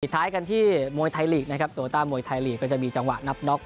ท้ายกันที่มวยไทยลีกนะครับโตต้ามวยไทยลีกก็จะมีจังหวะนับน็อก